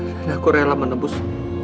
dan aku rela menembus